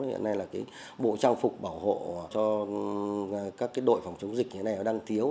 hiện nay là bộ trang phục bảo hộ cho các đội phòng chống dịch đang thiếu